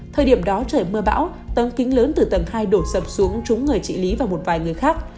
thời điểm đó trời mưa bão tấm kính lớn từ tầng hai đổ sập xuống trúng người chị lý và một vài người khác